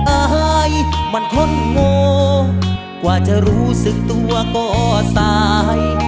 อายมันคนโง่กว่าจะรู้สึกตัวก็ตาย